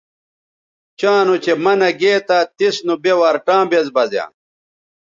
چاں نوچہء منع گے تھا تس نوبے ورٹاں بیز بزیاں